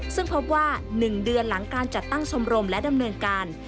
ซึ่งพบว่า๑เดือนหลังการจัดตั้งชมรมและดำเนินการ